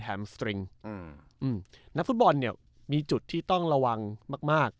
สตริงอืมอืมนักฟุตบอลเนี่ยมีจุดที่ต้องระวังมากมาก